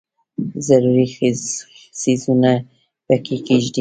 ضروري څیزونه پکې کښېږدي.